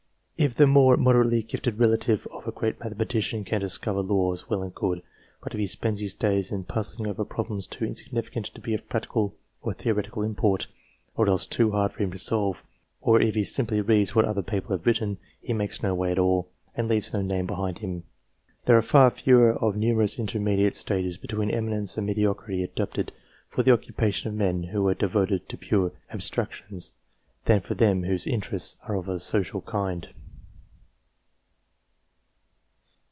If the more moderately gifted relative of a great mathematician can discover laws, well and good ; but if he spends his days in puzzling over problems too insig nificant to be of practical or theoretical import, or else too hard for him to solve, or if he simply reads what other people have written, he makes no way at all, and leaves no name behind him. There are far fewer of the numerous intermediate stages between eminence and mediocrity adapted for the occupation of men who are devoted to pure abstractions, than for those whose interests are of a social kind.